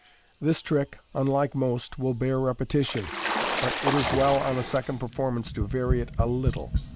This trick, unlike most, will bear repetition ; but it is well on a second performance to vary it a little.